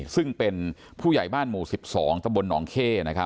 ซึ่งเป็นผู้ใหญ่บ้านหมู่๑๒ตะบลหนองเข้